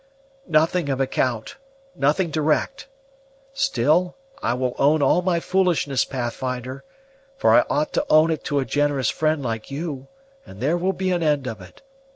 "Nothing of account, nothing direct. Still, I will own all my foolishness, Pathfinder; for I ought to own it to a generous friend like you, and there will be an end of it.